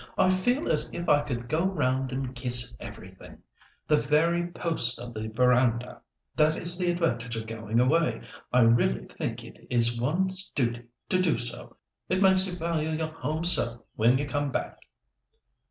I feel as if I could go round and kiss everything—the very posts of the verandah. That is the advantage of going away. I really think it is one's duty to do so; it makes you value your home so when you come back."